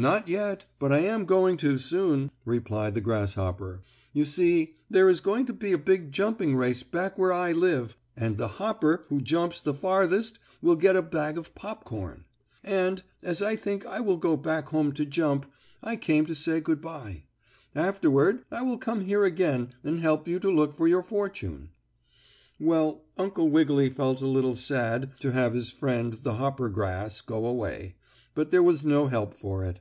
"Not yet, but I am going to soon," replied the grasshopper. "You see, there is going to be a big jumping race back where I live and the hopper who jumps the farthest will get a bag of popcorn. And, as I think I will go back home to jump, I came to say good by. Afterward, I will come here again and help you to look for your fortune." Well, Uncle Wiggily felt a little sad to have his friend, the hoppergrass, go away, but there was no help for it.